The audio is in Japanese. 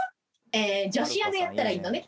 え女子アナやったらいいのね。